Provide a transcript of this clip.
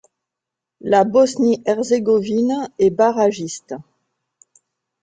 La Bosnie-Herzégovine est barragiste.